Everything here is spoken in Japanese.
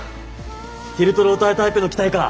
ティルトロータータイプの機体か。